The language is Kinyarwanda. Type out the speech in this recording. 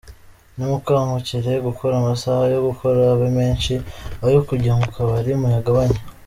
Nimukangukire gukora, amasaha yo gukora abe menshi, ayo kujya mu kabari muyagabanye.